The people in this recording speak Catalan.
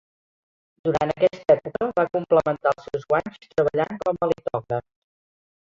Durant aquesta època, va complementar els seus guanys treballant com a litògraf.